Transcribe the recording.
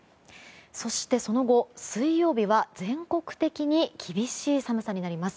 そしてその後、水曜日は全国的に厳しい寒さになります。